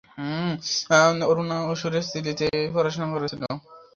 অরুণা সুরেশ দিল্লিতে পড়াশোনা করেছিলেন।